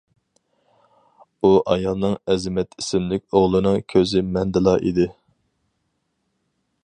ئۇ ئايالنىڭ ئەزىمەت ئىسىملىك ئوغلىنىڭ كۆزى مەندىلا ئىدى.